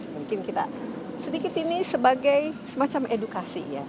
mungkin kita sedikit ini sebagai semacam edukasi ya